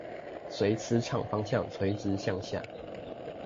隨磁場方向垂直向下